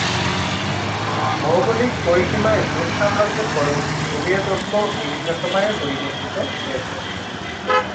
ভৌগোলিক পরিসীমায় রুশ সাম্রাজ্যের পরবর্তী সোভিয়েত ঐক্য বিভিন্ন সময়ে পরিবর্তিত হয়েছে।